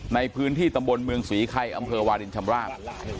ในพื้นที่ตำบลเมืองศรีไข่อำเภอวาลินชำราบ